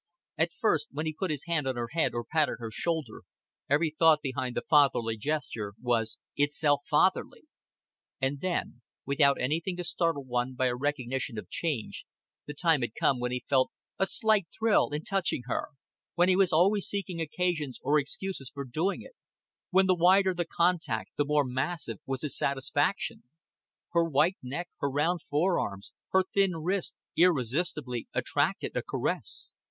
At first when he put his hand on her head, or patted her shoulder, every thought behind the fatherly gesture was itself fatherly; and then, without anything to startle one by a recognition of change, the time had come when he felt a slight thrill in touching her, when he was always seeking occasions or excuses for doing it, when the wider the contact the more massive was his satisfaction. Her white neck, her round fore arms, her thin wrists, irresistibly attracted a caress.